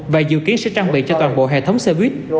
và dự kiến sẽ trang bị cho toàn bộ hệ thống xe buýt